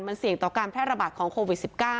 มันเสี่ยงต่อการแพร่ระบาดของโควิด๑๙